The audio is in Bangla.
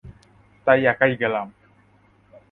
তাই একাই গেলাম!